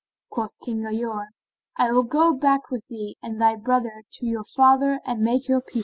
Quoth King Ghayur, "I will go back with thee and thy brother to your father and make your peace with him."